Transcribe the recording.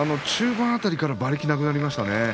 中盤辺りから馬力がなくなりましたね。